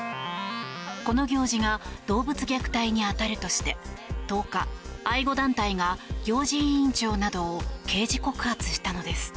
この行事が動物虐待に当たるとして１０日、愛護団体が行事委員長などを刑事告発したのです。